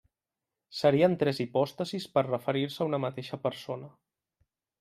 Serien tres hipòstasis per referir-se a una mateixa persona.